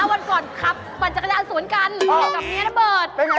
บันก่อนขับลีนกับเมียน้ำเบิดอื้อ